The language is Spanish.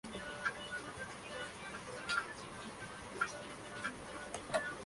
Habla á los hijos de Israel.